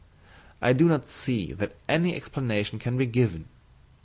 I do not see that any explanation can be given.